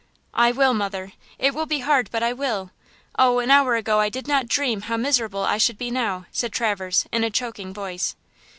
"I will, mother! It will be hard, but I will! Oh, an hour ago I did not dream how miserable I should be now!" said Traverse, in a choking voice.